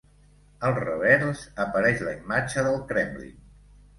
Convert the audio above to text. Al revers apareix la imatge del Kremlin.